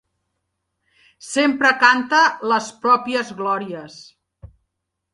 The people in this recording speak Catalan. Sempre canta les pròpies glòries.